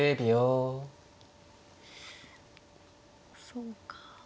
そうか。